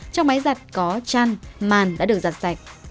trong máy giặt có chăn màn đã được giặt sạch